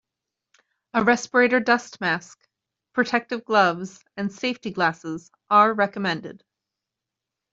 A respirator dust mask, protective gloves and safety glasses are recommended.